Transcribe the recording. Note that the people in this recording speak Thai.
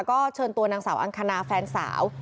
ก็เชิญตัวนางสาวอังคณาแฟนสาว